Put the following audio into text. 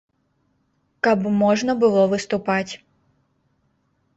Каб можна было выступаць.